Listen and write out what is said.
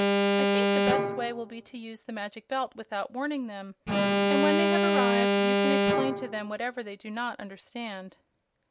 I think the best way will be to use the Magic Belt without warning them, and when they have arrived you can explain to them whatever they do not understand."